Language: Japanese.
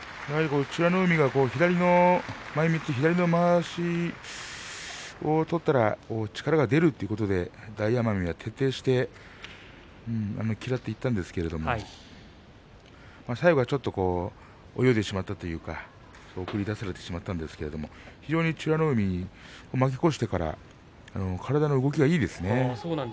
美ノ海が左の前みつ左のまわしを取ったら力も出るということで、大奄美が徹底して嫌っていたんですけれども最後はちょっと泳いでしまったというか送り出されてしまったんですけど非常に美ノ海、負け越してから体の動きがいいですね。